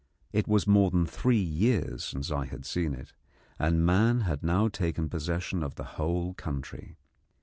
It was more than three years since I had seen it, and man had now taken possession of the whole country.